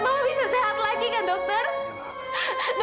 mau bisa sehat lagi kan dokter